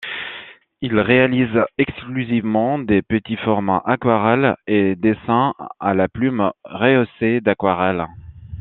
Il réalise exclusivement des petits formats, aquarelles et dessins à la plume rehaussés d'aquarelle.